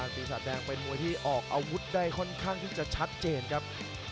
ปีศาจแดงเป็นมวยที่ออกอาวุธได้ค่อนข้างที่จะชัดเจนครับ